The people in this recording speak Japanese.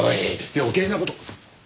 余計な事。